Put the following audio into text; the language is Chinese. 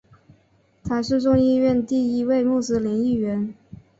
他是众议院第一位穆斯林议员。